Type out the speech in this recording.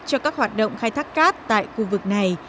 cho các hoạt động khai thác cát tại khu vực này